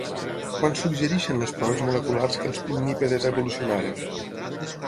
Quan suggereixen les proves moleculars que els pinnípedes evolucionaren?